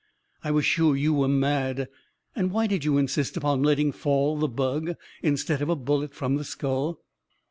I was sure you were mad. And why did you insist upon letting fall the bug, instead of a bullet, from the skull?"